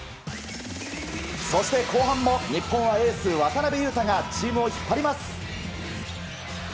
そして後半も、日本はエース、渡邊雄太がチームを引っ張ります。